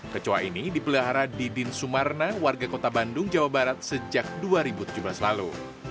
kecoa ini dipelihara didin sumarna warga kota bandung jawa barat sejak dua ribu tujuh belas lalu